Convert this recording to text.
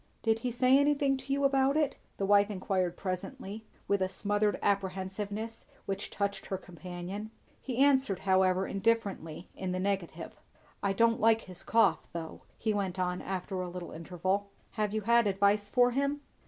"Did he say anything to you about it?" the wife enquired presently, with a smothered apprehensiveness which touched her companion. He answered however indifferently in the negative. "I don't like his cough, though," he went on after a little interval. "Have you had advice for him?"